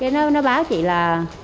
nó báo chị là